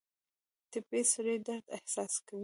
ټپي سړی د درد احساس کوي.